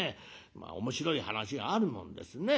面白い話があるもんですね。